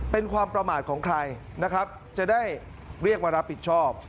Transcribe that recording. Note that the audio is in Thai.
เป็นความประมาทของใครนะครับจะได้เรียกมารับผิดชอบ